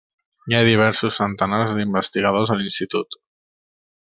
Hi ha diversos centenars d'investigadors a l'Institut.